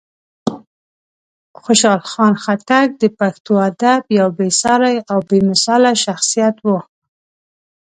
خوشحال خان خټک د پښتو ادب یو بېساری او بېمثاله شخصیت و.